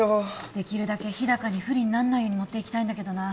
できるだけ日高に不利になんないように持っていきたいんだけどな